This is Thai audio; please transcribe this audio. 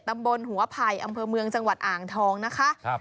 ตำบลหัวไผ่อำเภอเมืองจังหวัดอ่างทองนะคะครับ